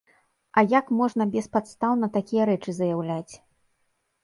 А як можна беспадстаўна такія рэчы заяўляць.